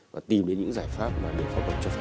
và tìm đến những giải pháp mà được phát động cho phép